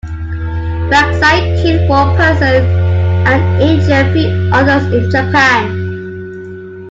Faxai killed one person and injured three others in Japan.